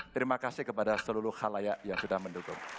terima kasih kepada seluruh hal layak yang sudah mendukung